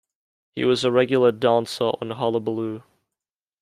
He was a regular dancer on "Hullabaloo".